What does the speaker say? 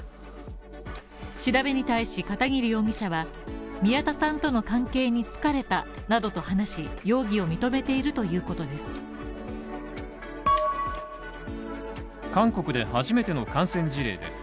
調べに対し、片桐容疑者は宮田さんとの関係に疲れたと話し容疑を認めているということです。